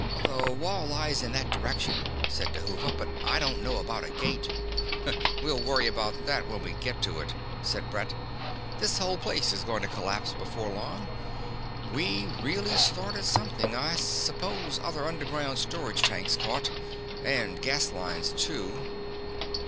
"The wall lies in that direction," said Dhuva. "But I don't know about a gate." "We'll worry about that when we get to it," said Brett. "This whole place is going to collapse before long. We really started something. I suppose other underground storage tanks caught and gas lines, too."